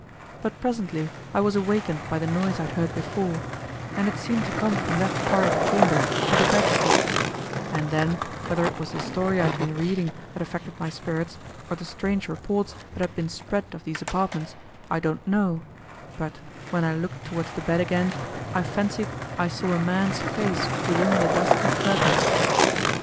But presently I was awakened by the noise I had heard before, and it seemed to come from that part of the chamber, where the bed stood; and then, whether it was the story I had been reading that affected my spirits, or the strange reports, that had been spread of these apartments, I don't know, but, when I looked towards the bed again, I fancied I saw a man's face within the dusky curtains."